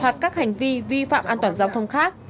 hoặc các hành vi vi phạm an toàn giao thông khác